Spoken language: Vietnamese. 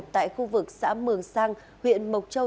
tại khu vực xã mường sang huyện mộc châu